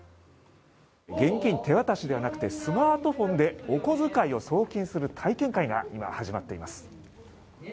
現金手渡しではなくてスマートフォンでお小遣いを送金する体験会が今、始まっています。